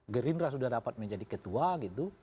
gerindra sudah dapat menjadi ketua gitu